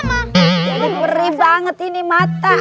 jadi beri banget ini mata